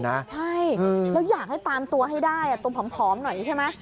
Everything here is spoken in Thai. ใช่แล้วอยากให้ตามตัวให้ได้ตัวผอมหน่อยใช่ไหม